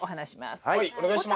はいお願いします。